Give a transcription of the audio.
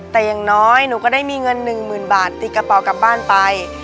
แต่อย่างน้อยหนูก็ได้มีเงิน๑๐๐๐บาทติดกระเป๋ากลับบ้านไป